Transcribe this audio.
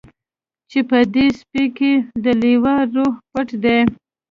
چې په دې سپي کې د لیوه روح پټ دی